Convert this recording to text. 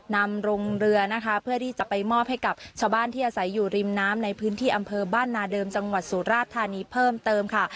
นำลงเรือนะคะเพื่อที่จะไปมอบให้กับชาวบ้านที่อาศัยอยู่ริมน้ำในพื้นที่อำเภอบ้านนาเดิมจังหวัดสุราธานีเพิ่มเติมค่ะ